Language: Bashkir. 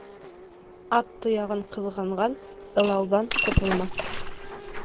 Ат тояғын ҡыҙғанған ылауҙан ҡотолмаҫ.